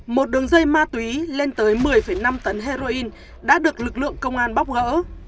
một đường dây ma túy lên tới một mươi năm tấn heroin đã được lực lượng công an bóc gỡ